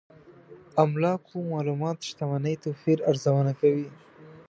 املاکو معلومات شتمنۍ توپير ارزونه کوي.